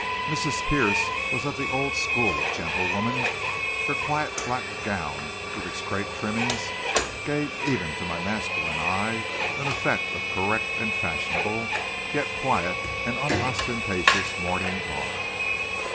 Mrs. Pierce was of the old school of gentlewomen. Her quiet, black gown with its crepe trimmings, gave, even to my masculine eye an effect of correct and fashionable, yet quiet and unostentatious mourning garb.